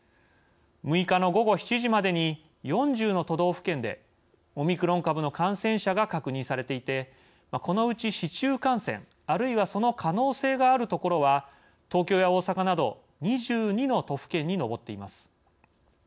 ６日の午後７時までに４０の都道府県でオミクロン株の感染者が確認されていてこのうち市中感染、あるいはその可能性がある所は東京や大阪など２２の都府県に上っています。